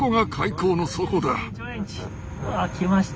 あ来ました。